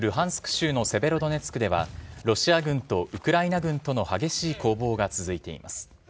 州のセベロドネツクでは、ロシア軍とウクライナ軍との激しい攻防が続いています。